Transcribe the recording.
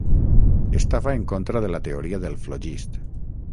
Estava en contra de la teoria del flogist.